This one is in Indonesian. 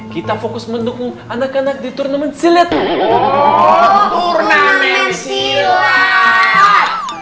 kita fokus mendukung anak anak di turnamen silatu silat